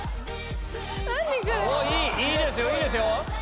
何これ⁉いいですよいいですよ！